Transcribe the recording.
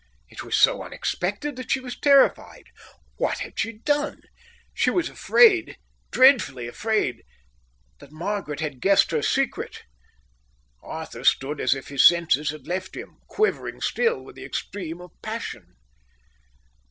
It was so unexpected that she was terrified. What had she done? She was afraid, dreadfully afraid, that Margaret had guessed her secret. Arthur stood as if his senses had left him, quivering still with the extremity of passion.